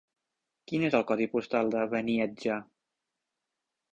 Quin és el codi postal de Beniatjar?